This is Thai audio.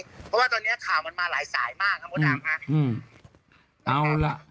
เพราะว่าตอนนี้ข่าวมันมาหลายสายมากครับมดดำฮะอืมเอาล่ะ